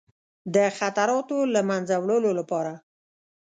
د خطراتو له منځه وړلو لپاره.